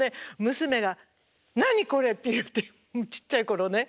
娘が「何これ！」って言ってちっちゃい頃ね。